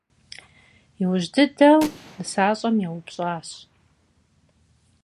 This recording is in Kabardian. И ужь дыдэу, нысащӀэм еупщӀащ.